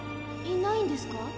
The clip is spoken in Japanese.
いないんですか？